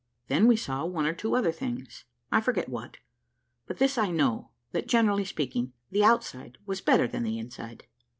Then we saw one or two other things, I forget what, but this I know, that, generally speaking, the outside was better than the inside.